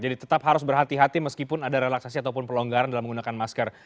jadi tetap harus berhati hati meskipun ada relaksasi ataupun pelonggaran dalam menggunakan masker